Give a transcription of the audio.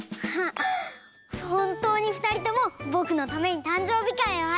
ほんとうにふたりともぼくのためにたんじょうびかいをありがとう。